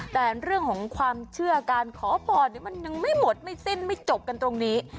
แต่เรื่องของความเชื่อการขอพรมันยังไม่หมดไม่สิ้นไม่จบกันตรงนี้